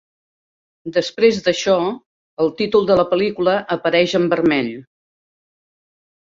Després d'això, el títol de la pel·lícula apareix en vermell.